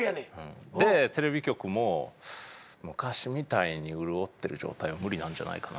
でテレビ局も昔みたいに潤ってる状態は無理なんじゃないかな。